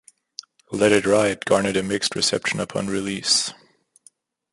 "Let It Ride" garnered a mixed reception upon release.